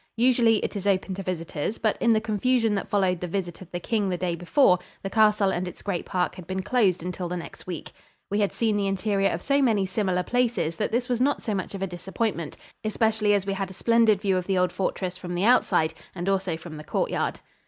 Usually it is open to visitors, but in the confusion that followed the visit of the king the day before, the castle and its great park had been closed until the next week. We had seen the interior of so many similar places that this was not so much of a disappointment, especially as we had a splendid view of the old fortress from the outside and also from the courtyard.